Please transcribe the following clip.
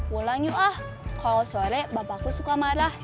pulang yuk ah kalau sore bapakku suka marah